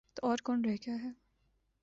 تو اور کون رہ گیا ہے؟